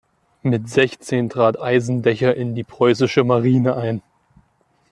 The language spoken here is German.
Mit sechzehn trat Eisendecher in die Preußische Marine ein.